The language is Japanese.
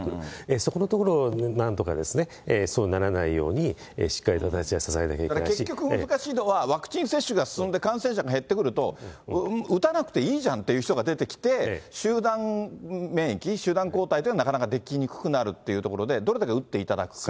そこのところ、なんとかそうならないように、しっかりと私たちが支えなければい結局難しいのは、ワクチン接種が進んで感染者が減ってくると、打たなくていいじゃんっていう人が出てきて、集団免疫、集団抗体というのがなかなかできにくくなるっていうところで、どれだけ打っていただくか。